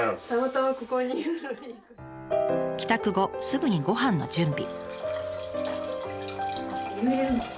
帰宅後すぐにごはんの準備。